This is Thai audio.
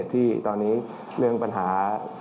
ที่ตอนนี้เรื่องปัญหา